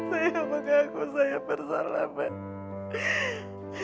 saya mengaku saya bersalah mbak